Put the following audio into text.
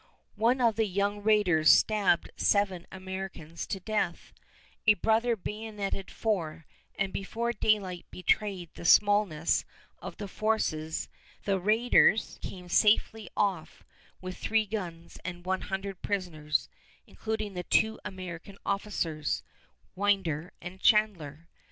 One of the young raiders stabbed seven Americans to death; a brother bayoneted four, and before daylight betrayed the smallness of their forces the raiders came safely off with three guns and one hundred prisoners, including the two American officers, Winder and Chandler.